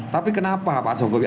tapi kenapa pak jokowi